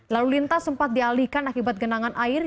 lalu lintas sempat dialihkan akibat genangan air